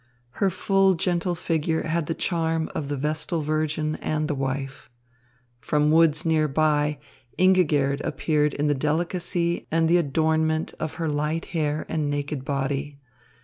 Her full, gentle figure had the charm of the vestal virgin and the wife. From woods nearby, Ingigerd appeared in the delicacy and the adornment of her light hair and naked body.